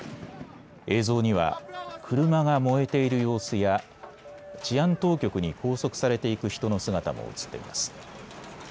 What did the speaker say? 映像には車が燃えている様子や治安当局に拘束されていく人の姿も映っています。